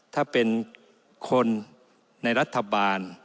ถ้าเป็นคนในรัฐบาล